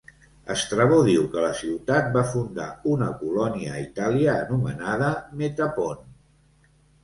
Estrabó diu que la ciutat va fundar una colònia a Itàlia anomenada Metapont.